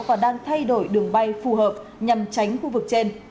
và đang thay đổi đường bay phù hợp nhằm tránh khu vực trên